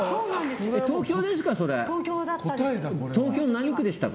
東京ですか？